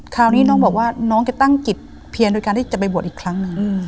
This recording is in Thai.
คราวนี้น้องบอกว่าน้องจะตั้งจิตเพียรโดยการที่จะไปบวชอีกครั้งหนึ่ง